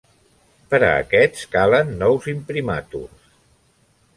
Per a aquests, calen nous imprimaturs.